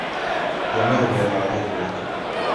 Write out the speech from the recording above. Kiame rubet lagok beet